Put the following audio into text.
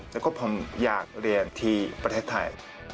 แล้วก็ผมอยากเรียนที่ประเทศไทย